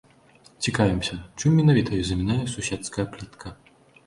Цікавімся, чым менавіта ёй замінае суседская плітка.